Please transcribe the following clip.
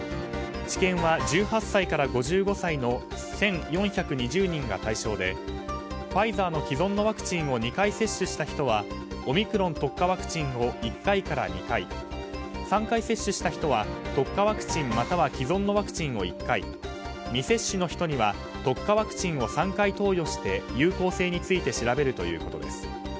治験は１８歳から５５歳の１４２０人が対象でファイザーの既存のワクチンを２回接種した人はオミクロン特化ワクチンを１回から２回３回接種した人は特化ワクチンまたは既存のワクチンを１回未接種の人には特化ワクチンを３回投与して有効性について調べるということです。